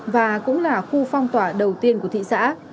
và cũng là khu phong tỏa đầu tiên của thị xã